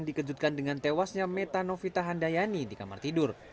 dikejutkan dengan tewasnya meta novita handayani di kamar tidur